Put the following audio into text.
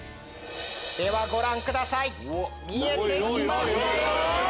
ではご覧ください見えて来ましたよ！